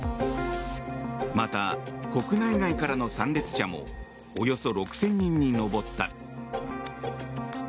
また国内外からの参列者もおよそ６０００人に上った。